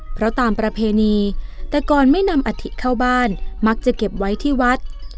เพราะตามประเพณีแต่ก่อนไม่นำอัฐิเข้าบ้านมักจะเก็บไว้ที่วัด